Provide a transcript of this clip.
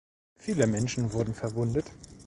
Viele Menschen wurden verwundet.